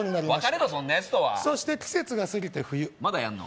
そんなやつとはそして季節が過ぎて冬まだやんの？